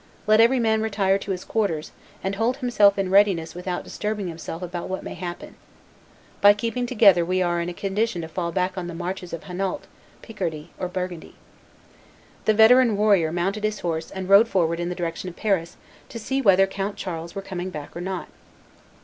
Let every man retire to his quarters, and hold himself in readiness without disturbing himself about what may happen. By keeping together we are in a condition to fall back on the marches of Hainault, Picardy, or Burgundy." The veteran warrior mounted his horse and rode forward in the direction of Paris to see whether Count Charles were coming back or not.